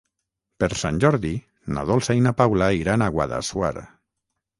Per Sant Jordi na Dolça i na Paula iran a Guadassuar.